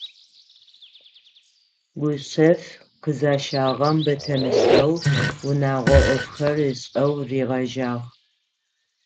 Гушъэф къызащагъэм бэ темышӏэу унэгъо ӏофхэр ышӏэу ригъэжьагъ.